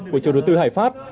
của chủ đối tư hải pháp